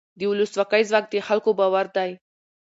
د ولسواکۍ ځواک د خلکو باور دی